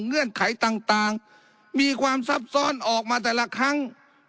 เงื่อนไขต่างมีความซับซ้อนออกมาแต่ละครั้ง